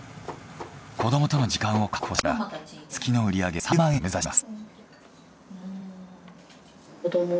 子供との時間を確保しながら月の売り上げ３０万円を目指します。